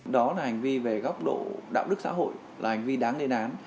đó là hành vi về góc độ đạo đức xã hội là hành vi đáng lên án